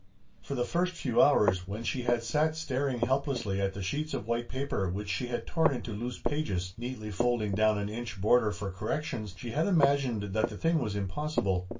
For the first few hours, when she had sat staring helplessly at the sheets of white paper which she had torn into loose pages, neatly folding down an inch border for corrections, she had imagined that the thing was impossible.